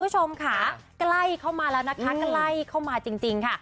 คุณผู้ชมค่ะใกล้เข้ามาแล้วนะคะใกล้เข้ามาจริงค่ะ